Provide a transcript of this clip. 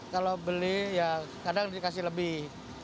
kalau beli ya kadang dikasih lebih